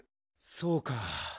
そうか。